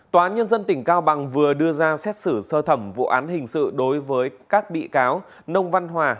tòa án nhân dân tỉnh cao bằng vừa đưa ra xét xử sơ thẩm vụ án hình sự đối với các bị cáo nông văn hòa